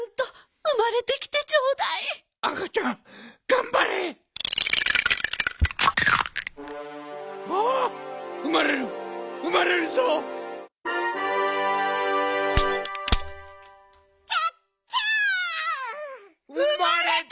うまれた！